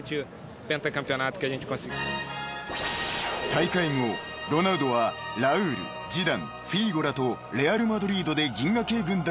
［大会後ロナウドはラウールジダンフィーゴらとレアル・マドリードで］